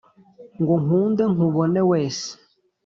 Ngo nkunde nkubone wese